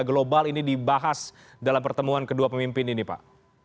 global ini dibahas dalam pertemuan kedua pemimpin ini pak